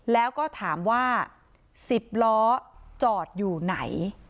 แล้วก็ถามว่า๑๐ล้อจอดอยู่ไหน